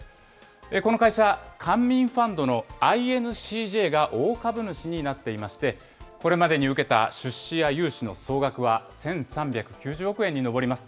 この会社、官民ファンドのＩＮＣＪが大株主になっていまして、これまでに受けた出資や融資の総額は１３９０億円に上ります。